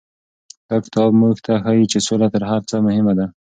دا کتاب موږ ته ښيي چې سوله تر هر څه مهمه ده.